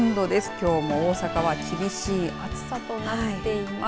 きょうも大阪は厳しい暑さとなっています。